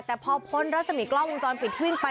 แต่พอพ้นรัศมีกล้องวงจรปิดที่วิ่งไป